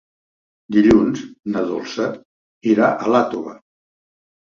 Dilluns na Dolça irà a Iàtova.